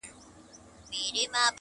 په دنیا کي چي هر څه کتابخانې دي!